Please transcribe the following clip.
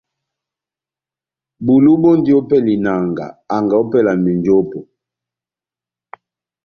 Bulu bɔndi ópɛlɛ ya inanga anga ópɛlɛ ya menjopo.